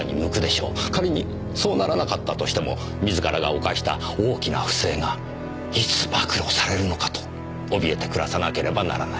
仮にそうならなかったとしても自らが犯した大きな不正がいつ暴露されるのかとおびえて暮らさなければならない。